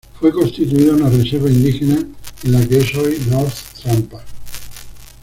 Fue constituida una Reserva indígena en lo que es hoy North Tampa.